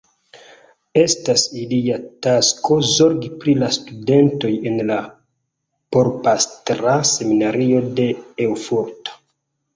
Estas ilia tasko zorgi pri la studentoj en la Porpastra Seminario de Erfurto.